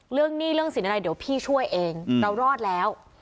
หนี้เรื่องสินอะไรเดี๋ยวพี่ช่วยเองเรารอดแล้ว